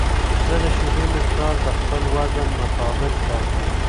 زه د شیدو مقدار د خپل وزن مطابق ټاکم.